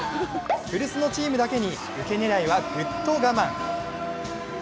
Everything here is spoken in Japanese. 古巣のチームだけにウケ狙いはぐっと我慢。